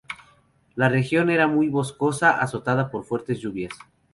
La región era muy boscosa, azotada por fuertes lluvias.